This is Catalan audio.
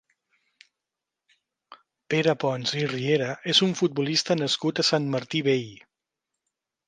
Pere Pons i Riera és un futbolista nascut a Sant Martí Vell.